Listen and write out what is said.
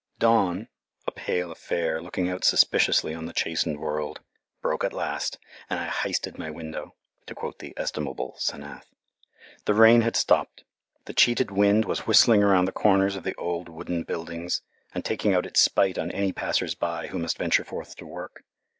Dawn a pale affair looking out suspiciously on the chastened world broke at last, and I "histed" my window (to quote the estimable 'Senath). The rain had stopped. The cheated wind was whistling around the corners of the old wooden buildings, and taking out its spite on any passers by who must venture forth to work.